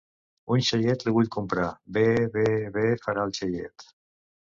Un xaiet li vull comprar.Be, be, be farà el xaiet.